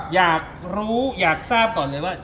อยากรู้อยากทราบก่อนเลยว่า